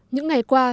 những ngày qua